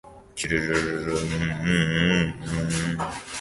きゅるるるるるるるるんんんんんん